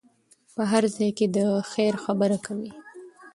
په هر ځای کې د خیر خبره کوئ.